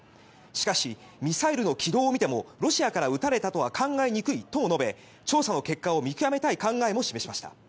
しかし、ミサイルの軌道を見てもロシアから撃たれたとは考えにくいとも述べ調査の結果を見極めたい考えも示しました。